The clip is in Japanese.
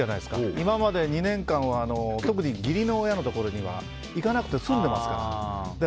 今まで２年間は義理の親のところには行かなくて済んでいますから。